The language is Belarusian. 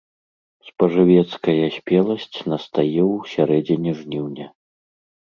Спажывецкая спеласць настае ў сярэдзіне жніўня.